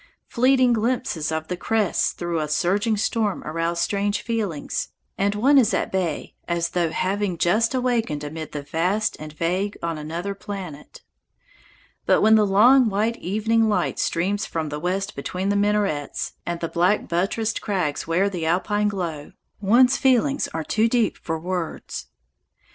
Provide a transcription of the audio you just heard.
Fleeting glimpses of the crests through a surging storm arouse strange feelings, and one is at bay, as though having just awakened amid the vast and vague on another planet. But when the long, white evening light streams from the west between the minarets, and the black buttressed crags wear the alpine glow, one's feelings are too deep for words.